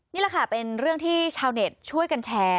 นี่แหละค่ะเป็นเรื่องที่ชาวเน็ตช่วยกันแชร์